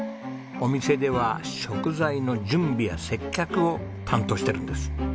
お店では食材の準備や接客を担当してるんです。